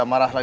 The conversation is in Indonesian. ke dafes dong